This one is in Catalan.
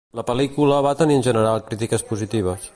La pel·lícula va tenir en general crítiques positives.